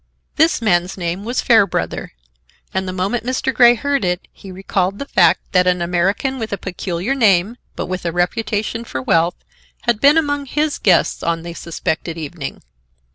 This man's name was Fairbrother, and, the moment Mr. Grey heard it, he recalled the fact that an American with a peculiar name, but with a reputation for wealth, had been among his guests on the suspected evening.